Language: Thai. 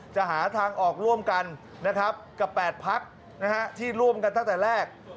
จะหาทางออกร่วมกันนะครับกับ๘พักที่ร่วมกันตั้งแต่แรก